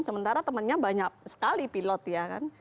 sementara temannya banyak sekali pilot ya kan